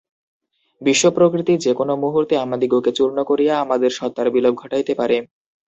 বিশ্বপ্রকৃতি যে-কোন মুহূর্তে আমাদিগকে চূর্ণ করিয়া আমাদের সত্তার বিলোপ ঘটাইতে পারে।